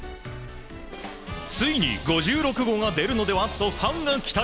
ついに５６号が出るのでは？とファンが期待。